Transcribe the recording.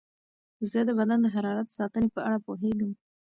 زه د بدن د حرارت ساتنې په اړه پوهېږم.